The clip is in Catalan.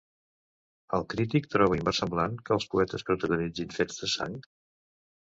El crític troba inversemblant que els poetes protagonitzin fets de sang?